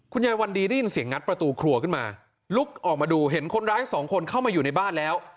วันดีได้ยินเสียงงัดประตูครัวขึ้นมาลุกออกมาดูเห็นคนร้ายสองคนเข้ามาอยู่ในบ้านแล้ว